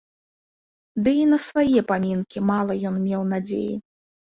Ды і на свае памінкі мала ён меў надзеі.